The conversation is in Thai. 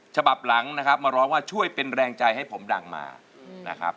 ฉบับหลังนะครับมาร้องว่าช่วยเป็นแรงใจให้ผมดังมานะครับ